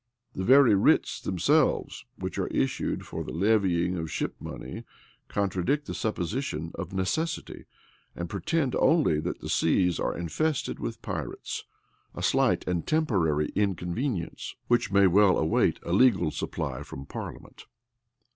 The very writs themselves, which are issued for the levying of ship money, contradict the supposition of necessity, and pretend only that the seas are infested with pirates; a slight and temporary inconvenience, which may well await a legal supply from parliament.